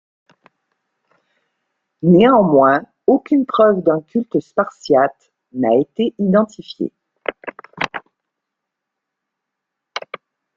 Néanmoins, aucune preuve d'un culte spartiate n'a été identifiée.